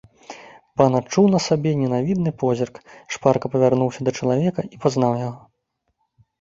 Пан адчуў на сабе ненавідны позірк, шпарка павярнуўся да чалавека і пазнаў яго.